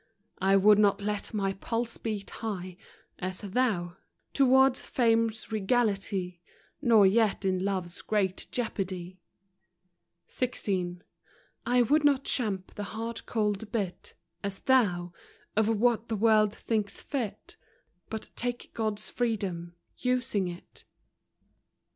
I would not let my pulse beat high, As thou, — toward fame's regality, Nor yet in love's great jeopardy. XVI. " I would not champ the hard cold bit, As thou, — of what the world thinks fit,— But take God's freedom, using it.